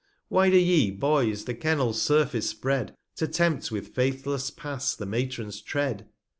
Why do ye, Boys, the Kennel's Surface spread, To tempt with faithless Pass the Matron's Tread